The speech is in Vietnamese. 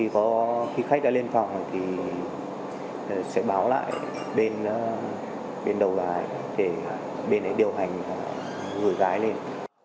khi khách đã lên phòng sẽ báo lại bên đầu gái để bên ấy điều hành gửi gái lên